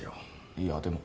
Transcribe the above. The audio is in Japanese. いやでも。